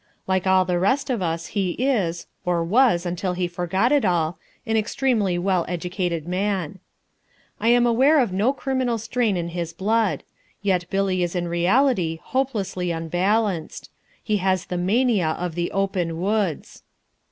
Like all the rest of us he is, or was until he forgot it all, an extremely well educated man. I am aware of no criminal strain in his blood. Yet Billy is in reality hopelessly unbalanced. He has the Mania of the Open Woods.